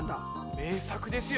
名作ですよ。